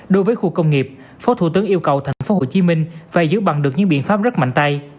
đối với khu công nghiệp phó thủ tướng yêu cầu tp hcm phải giữ bằng được những biện pháp rất mạnh tay